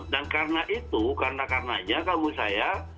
dan karena itu karena karenanya kamu saya